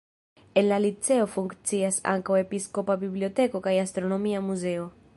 En la liceo funkcias ankaŭ episkopa biblioteko kaj astronomia muzeo.